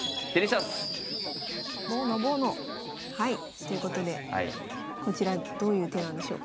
ということでこちらどういう手なんでしょうか？